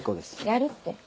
やるって。